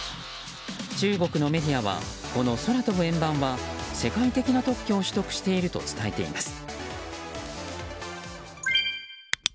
中国のメディアはこの空飛ぶ円盤は世界的な特許を取得していると伝えています。